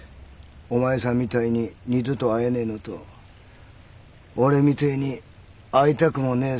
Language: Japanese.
お前さんみたいに二度と会えねえのと俺みたいに会いたくもねえ